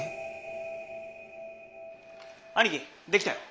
兄貴できたよ。